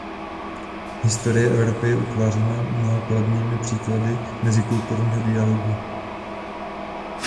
Historie Evropy je utvářena mnoha kladnými příklady mezikulturního dialogu.